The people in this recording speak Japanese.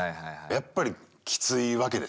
やっぱりきついわけでしょ？